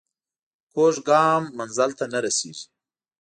کوږ ګام منزل ته نه رسېږي